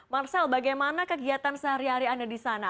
marcel bagaimana kegiatan sehari hari anda di sana